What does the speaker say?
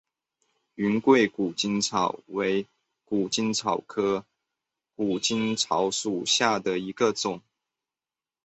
云贵谷精草为谷精草科谷精草属下的一个种。